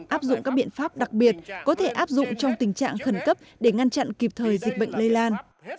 họ quyết định áp dụng các biện pháp đặc biệt có thể áp dụng trong tình trạng khẩn cấp để ngăn chặn kịp thời dịch bệnh lây lan